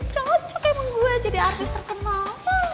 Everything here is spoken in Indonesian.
cocok emang gue jadi artis terkenal